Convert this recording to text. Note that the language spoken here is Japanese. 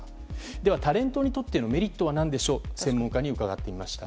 ではタレントにとってのメリットは何でしょう専門家に伺ってみました。